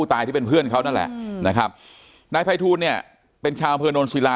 ตายที่เป็นเพื่อนเขานั่นแหละนะครับนายภัยทูลเนี่ยเป็นชาวอำเภอโนนศิลา